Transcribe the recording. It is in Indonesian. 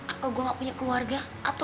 apa gua nggak punya keluarga